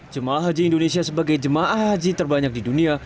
jemaah haji indonesia sebagai jemaah haji terbanyak di dunia